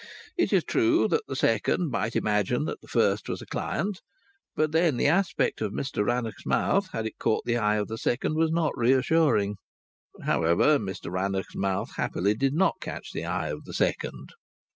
It is true that the second might imagine that the first was a client, but then the aspect of Mr Rannoch's mouth, had it caught the eye of the second, was not reassuring. However, Mr Rannoch's mouth happily did not catch the eye of the second.